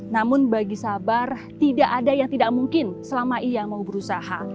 namun bagi sabar tidak ada yang tidak mungkin selama ia mau berusaha